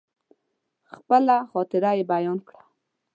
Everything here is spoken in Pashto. خپله خاطره يې بيان کړه.